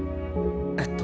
えっと。